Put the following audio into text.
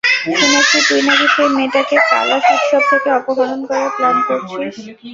শুনেছি তুই নাকি সেই মেয়েটাকে কালাশ উৎসব থেকে অপহরণ করার প্ল্যান করছিস।